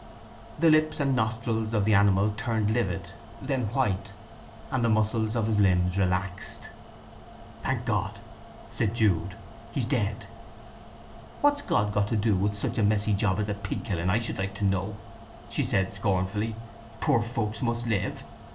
The lips and nostrils of the animal turned livid, then white, and the muscles of his limbs relaxed. "Thank God!" Jude said. "He's dead." "What's God got to do with such a messy job as a pig killing, I should like to know!" she said scornfully. "Poor folks must live."